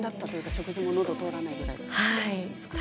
食事がのどを通らないぐらいに。